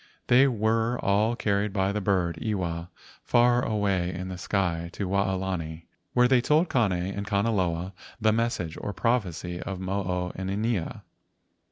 They were all carried by the bird, Iwa, far away in the sky to Waolani, where they told Kane and Kanaloa the message or prophecy of Mo o inanea.